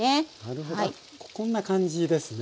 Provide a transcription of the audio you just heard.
こんな感じですね。